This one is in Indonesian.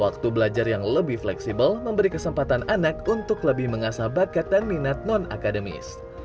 waktu belajar yang lebih fleksibel memberi kesempatan anak untuk lebih mengasah bakat dan minat non akademis